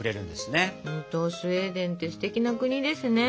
本当スウェーデンってすてきな国ですね。ね！